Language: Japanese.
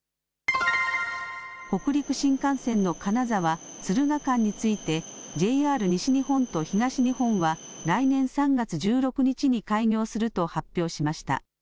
北陸新幹線の金沢・敦賀間について、ＪＲ西日本と東日本は、来年３月１６日に開業すると発表しました。